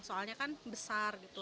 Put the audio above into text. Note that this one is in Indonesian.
soalnya kan besar gitu